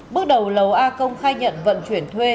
bước đầu lầu a công khai nhận vận chuyển thuê